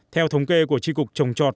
theo thống kê của tri cục trồng chọt